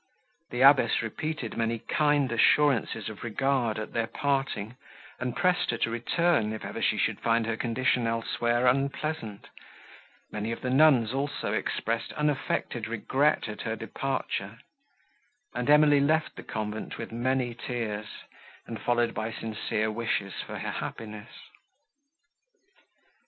The abbess repeated many kind assurances of regard at their parting, and pressed her to return, if ever she should find her condition elsewhere unpleasant; many of the nuns also expressed unaffected regret at her departure, and Emily left the convent with many tears, and followed by sincere wishes for her happiness.